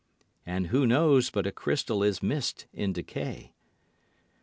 And who knows but a crystal is mist in decay?